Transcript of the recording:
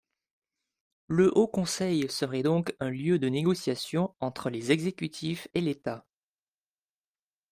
Le Haut conseil serait donc un lieu de négociation entre les exécutifs et l’État.